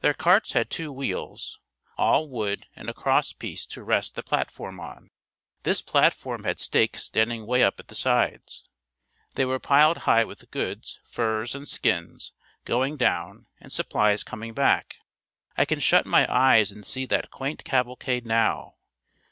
Their carts had two wheels, all wood and a cross piece to rest the platform on. This platform had stakes standing way up at the sides. They were piled high with goods, furs and skins going down and supplies coming back. I can shut my eyes and see that quaint cavalcade now.